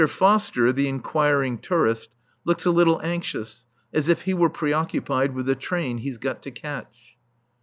Foster, the inquiring tourist, looks a little anxious, as if he were preoccupied with the train he's got to catch.